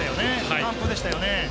完封でしたね。